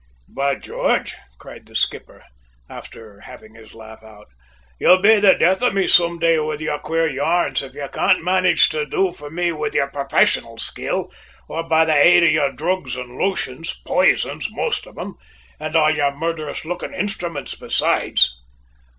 "By George!" cried the skipper, after having his laugh out, "you'll be the death of me some day with your queer yarns, if you can't manage to do for me with your professional skill, or by the aid of your drugs and lotions, poisons, most of 'em, and all your murderous looking instruments, besides!"